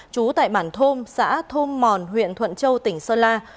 chú tại bản thôn xã thôn mòn huyện thuận châu tỉnh sơn la